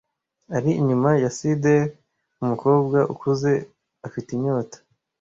Ari inyuma ya cider, umukobwa ukuze, afite inyota;